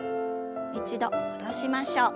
一度戻しましょう。